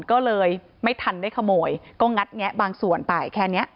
ก็เลยไม่ทันได้ขโมยก็งัดแงะบางส่วนไปแค่นี้